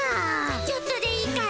ちょっとでいいから。